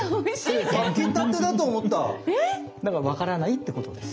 だからわからないってことです。